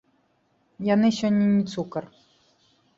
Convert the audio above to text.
Яны сёння не цукар.